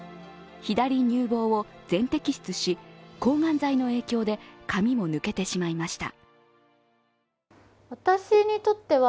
左乳房を全摘出し抗がん剤の影響で髪も抜けてしまいました。